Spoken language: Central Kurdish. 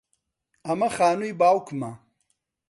ئەمە خانووی باوکمە.